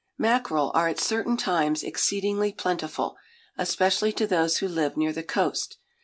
Mackerel are at certain times exceedingly plentiful, especially to those who live near the coast.